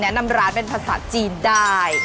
นำร้านเป็นภาษาจีนได้